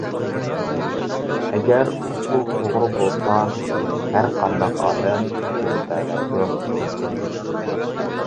ئەگەر ئۇسۇل توغرا بولسا ھەر قانداق ئادەم كۈچەيتەلەيدۇ.